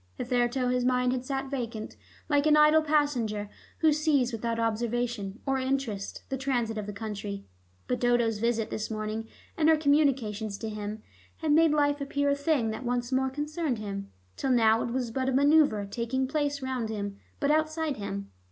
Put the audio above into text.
Hitherto his mind had sat vacant, like an idle passenger who sees without observation or interest the transit of the country. But Dodo's visit this morning and her communications to him had made life appear a thing that once more concerned him; till now it was but a manoeuver taking place round him, but outside him.